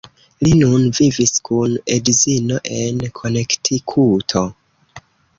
Li nun vivis kun edzino en Konektikuto.